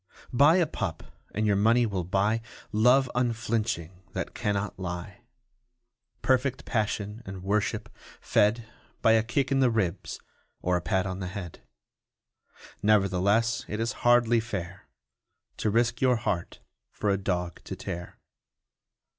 Buy a pup and your money will buy Love unflinching that cannot lie Perfect passion and worship fed By a kick in the ribs or a pat on the head. Nevertheless it is hardly fair To risk your heart for a dog to tear.